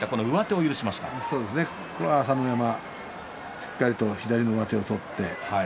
朝乃山は、しっかりと左の上手を取って